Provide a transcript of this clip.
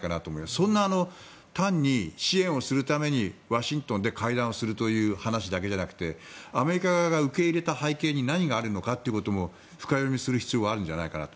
そんな単に支援をするためにワシントンで会談をするという話だけじゃなくてアメリカ側が受け入れた背景に何があるのかも深読みする必要があるんじゃないかなと。